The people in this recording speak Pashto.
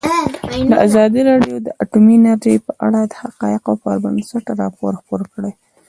ازادي راډیو د اټومي انرژي په اړه د حقایقو پر بنسټ راپور خپور کړی.